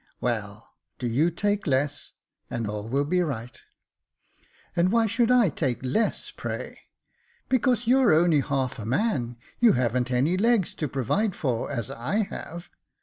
" Well, do you take less, then all will be right." " And why should I take less, pray .'*"" Because you're only half a man ; you haven't any legs to provide for, as I have."